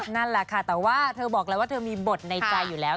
นั่นแหละค่ะแต่ว่าเธอบอกแล้วว่าเธอมีบทในใจอยู่แล้ว